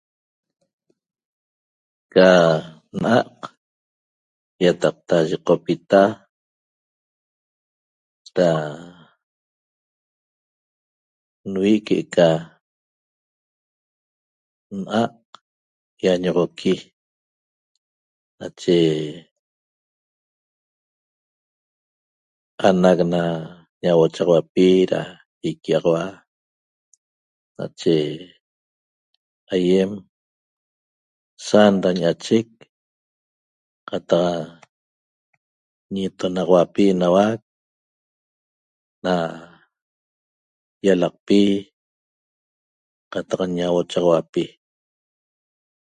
Ca naq ietaqta ñoqpita da nvii que eca Na ena ñoxoqui nache anaq ana ñochaxahuapi da sohuapi ena iquiaxahuapi nache aiem sandacheq cataq ñetoxonahuapi na ialaqpi cataq ñauachauapi